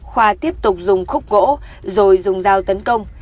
khoa tiếp tục dùng khúc gỗ rồi dùng dao tấn công